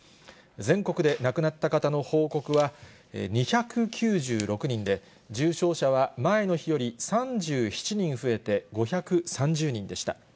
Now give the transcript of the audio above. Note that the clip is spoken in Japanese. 全国で亡くなった方の報告は、２９６人で、重症者は前の日より３７人増えて、５３０人でした。